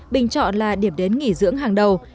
bình chọn là điểm đến nghỉ dưỡng hàng đầu